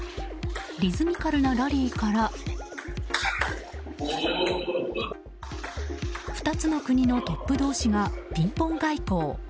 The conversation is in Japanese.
リズミカルなラリーから２つの国のトップ同士がピンポン外交。